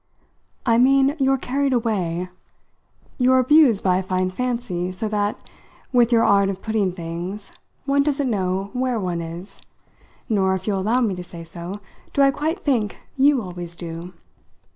"I mean you're carried away you're abused by a fine fancy: so that, with your art of putting things, one doesn't know where one is nor, if you'll allow me to say so, do I quite think you always do.